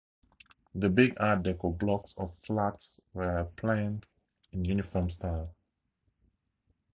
The big art deco blocks of flats were planned in uniform style.